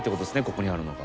ここにあるのが。